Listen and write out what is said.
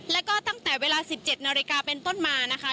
แล้วก็ตั้งแต่เวลา๑๗นาฬิกาเป็นต้นมานะคะ